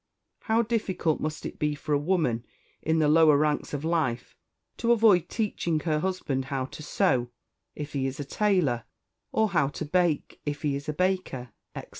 How difficult must it be for a woman in the lower ranks of life to avoid teaching her husband how to sew, if he is a tailor; or how to bake, if he is a baker, etc.